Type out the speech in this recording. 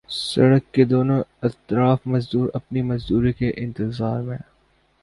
سڑک کے دونوں اطراف مزدور اپنی مزدوری کے انتظار میں